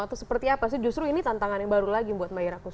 atau seperti apa sih justru ini tantangan yang baru lagi buat mbak ira kursi